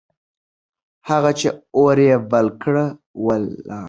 هغه چې اور يې بل کړ، ولاړ.